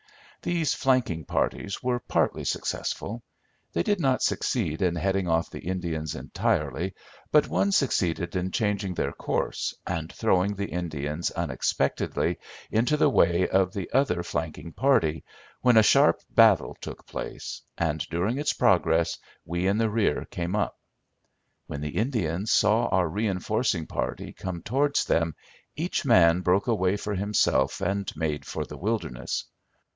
These flanking parties were partly successful. They did not succeed in heading off the Indians entirely, but one succeeded in changing their course, and throwing the Indians unexpectedly into the way of the other flanking party, when a sharp battle took place, and, during its progress, we in the rear came up. When the Indians saw our reinforcing party come towards them each man broke away for himself and made for the wilderness.